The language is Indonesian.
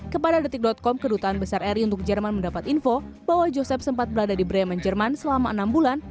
kepada detik com kedutaan besar ri untuk jerman mendapat info bahwa joseph sempat berada di bremen jerman selama enam bulan